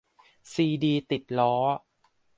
ซีดีติดล้อ !